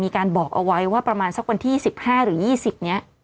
มีการบอกเอาไว้ว่าประมาณสักวันที่สิบห้าหรือยี่สิบเนี้ย